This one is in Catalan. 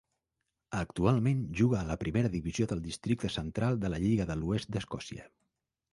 Actualment juga a la primera divisió del districte central de la lliga de l'oest d'Escòcia.